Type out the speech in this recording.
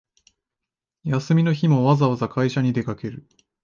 休みの日もわざわざ会社に出かける